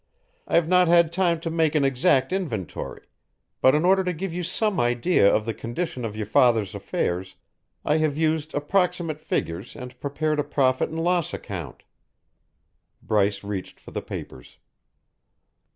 I have not had time to make an exact inventory; but in order to give you some idea of the condition of your father's affairs, I have used approximate figures and prepared a profit and loss account." Bryce reached for the papers.